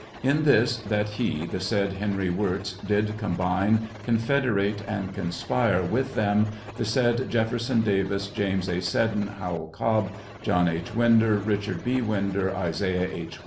] In this, that he, the said Henry Wirz, did combine, confederate, and conspire I with them, the said Jefferson Davis, James A Seddon, Howell Oobb, John H. Winder, Kichard B. Winder, Isaiah H.